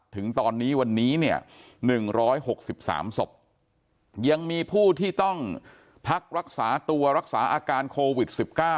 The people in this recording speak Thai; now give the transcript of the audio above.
ถึงตอนนี้วันนี้เนี่ย๑๖๓ศพยังมีผู้ที่ต้องพักรักษาตัวรักษาอาการโควิด๑๙